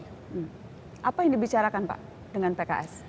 hmm apa yang dibicarakan pak dengan pks